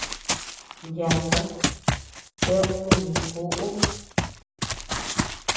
Yaka, ted nuni kuʼu.